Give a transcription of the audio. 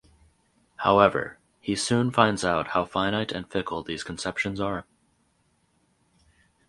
However he soon finds out how finite and fickle these conceptions are.